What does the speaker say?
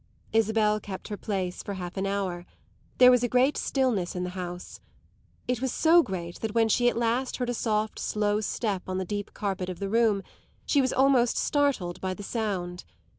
Isabel kept her place for half an hour; there was a great stillness in the house. It was so great that when she at last heard a soft, slow step on the deep carpet of the room she was almost startled by the sound.